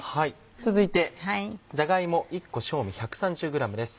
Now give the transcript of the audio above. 続いてじゃが芋１個正味１３０ｇです。